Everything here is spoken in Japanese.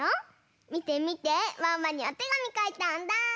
みてみてワンワンにおてがみかいたんだ！